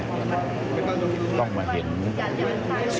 พบหน้าลูกแบบเป็นร่างไร้วิญญาณ